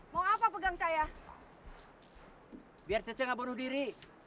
mau apa pegang saya biar cece nggak bunuh diri